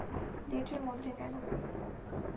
প্লেটের মধ্যে কেনো?